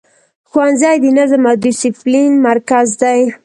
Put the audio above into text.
ښوونځی د نظم او دسپلین مرکز دی.